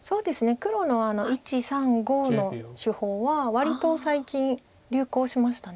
黒の１３５の手法は割と最近流行しました。